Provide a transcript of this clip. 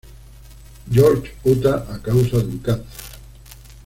George, Utah, a causa de un cáncer.